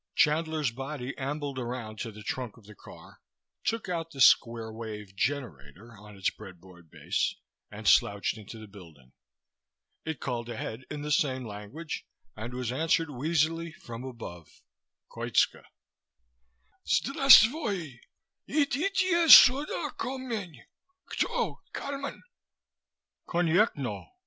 Chandler's body ambled around to the trunk of the car, took out the square wave generator on its breadboard base and slouched into the building. It called ahead in the same language and was answered wheezily from above: Koitska. "Zdrastvoi. Iditye suda ko mneh. Kto, Kalman?" "_Konyekhno!